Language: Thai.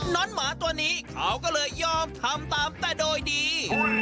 น้องหมาตัวนี้เขาก็เลยยอมทำตามแต่โดยดี